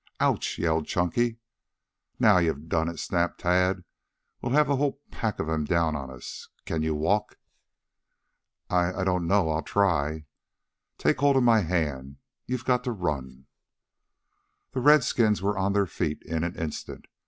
"Ouch!" yelled Chunky. "Now you've done it," snapped Tad. "We'll have the whole pack of them down on us. Can you walk?" "I I don't know. I'll try." "Take hold of my hand. You've got to run." The redskins were on their feet in an instant.